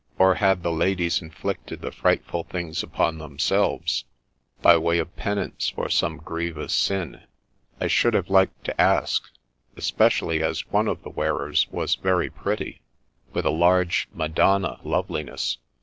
Or had the ladies inflicted the frightful things upon themselves, by way of penance for some grievous sin ? I should have liked to ask, especially as one of the wearers was very pretty, with a large, madonna loveliness.